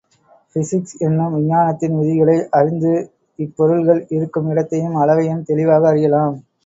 Physics என்னும் விஞ்ஞானத்தின் விதிகளை அறிந்து இப்பொருள்கள் இருக்கும் இடத்தையும், அளவையும் தெளிவாக அறியலாம்.